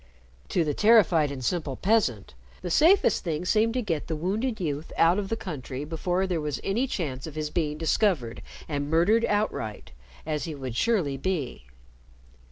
To the terrified and simple peasant the safest thing seemed to get the wounded youth out of the country before there was any chance of his being discovered and murdered outright, as he would surely be.